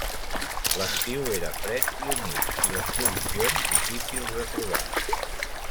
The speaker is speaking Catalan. L'estiu era fred i humit, i les provisions difícils de trobar.